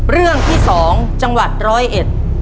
เรื่องที่สองจังหวัดร้อยเอ็ด